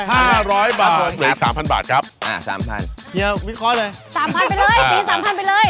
อ่ะ๕๐๐บาทครับ๕๐๐บาทอีก๓๐๐๐บาทครับอ่ะ๓๐๐๐บาทเดี๋ยววิเคราะห์เลย